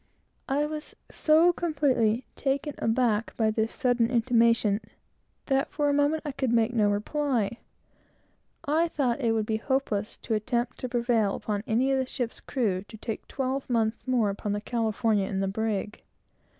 I was so completely "taken aback" by this sudden intimation, that for a moment I could make no reply. I knew that it would be hopeless to attempt to prevail upon any of the ship's crew to take twelve months more upon the California in the brig.